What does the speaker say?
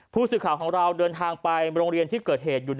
ผู้สื่อข่าวของเราเดินทางไปโรงเรียนที่เกิดเหตุอยู่